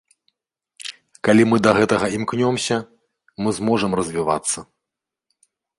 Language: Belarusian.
Калі мы да гэтага імкнёмся, мы зможам развівацца.